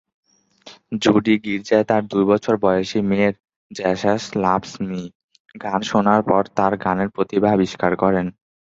জুডি গির্জায় তার দু-বছর বয়সী মেয়ের "জেসাস লাভস্ মি" গান শোনার পর তার গানের প্রতিভা আবিষ্কার করেন।